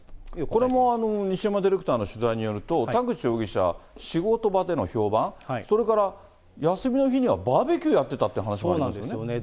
これも西山ディレクターの取材によると、田口容疑者、仕事場での評判、それから休みの日にはバーベキューやってたという話もそうなんですよね。